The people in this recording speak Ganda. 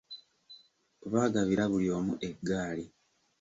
Baagabira buli omu eggaali.